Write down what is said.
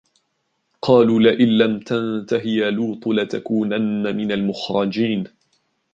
قالوا لئن لم تنته يا لوط لتكونن من المخرجين